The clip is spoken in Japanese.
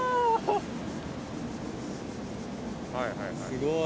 すごい！